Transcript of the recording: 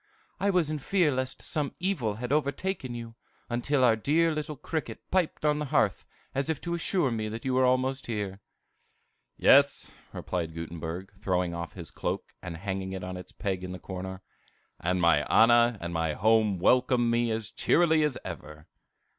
"I was in fear lest some evil had overtaken you, until our dear little cricket piped on the hearth, as if to assure me that you were almost here." "Yes," replied Gutenberg, throwing off his cloak, and hanging it on its peg in the corner, "and my Anna and my home welcome me as cheerily as ever."